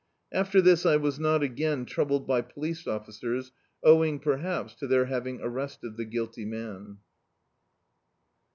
After this I was not again troubled by police officers, owing perhaps, to their having arrested the guilty man.